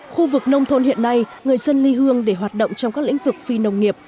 khu vực nông thôn hiện nay người dân ly hương để hoạt động trong các lĩnh vực phi nông nghiệp